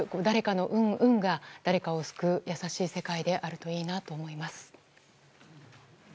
うん、うんが誰かを救う優しい世界であるといいなと思います。